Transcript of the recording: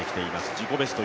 自己ベスト